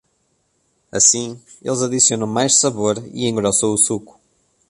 Assim, eles adicionam mais sabor e engrossam o suco.